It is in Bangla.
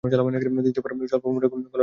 দ্বিতীয় বারও স্বল্প মোটা গলার লোক কথা কাল।